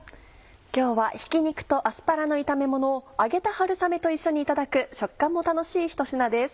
今日はひき肉とアスパラの炒め物を揚げた春雨と一緒にいただく食感も楽しいひと品です。